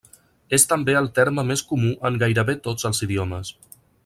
És també el terme més comú en gairebé tots els idiomes.